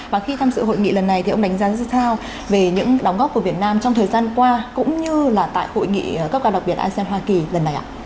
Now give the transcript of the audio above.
và khi tham dự hội nghị lần này thì ông đánh giá như thế nào về những đóng góp của việt nam trong thời gian qua cũng như là tại hội nghị cấp cao đặc biệt asean hoa kỳ lần này ạ